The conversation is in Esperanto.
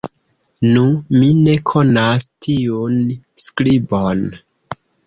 Nu! mi ne konas tiun skribon!